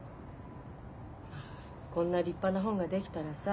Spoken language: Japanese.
まあこんな立派な本が出来たらさ